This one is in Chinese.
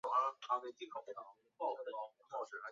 于是德宗令二人分别主事。